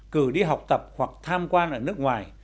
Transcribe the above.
cử đi học tập hoặc tham quan ở nước ngoài